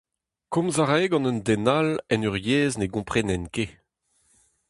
Komz a rae gant un den all en ur yezh ne gomprenen ket.